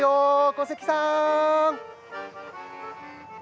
小関さん！